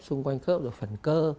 xung quanh khớp ở phần cơ